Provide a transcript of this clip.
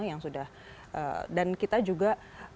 yang sudah dan kita juga